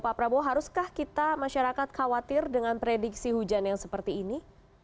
pak prabowo haruskah kita masyarakat khawatir dengan prediksi hujan yang seperti ini